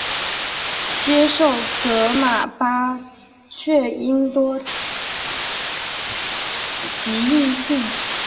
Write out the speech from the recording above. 接受噶玛巴却英多吉印信。